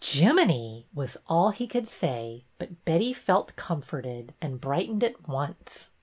Jiminy! was all he could say, but Betty felt comforted, and brightened at once.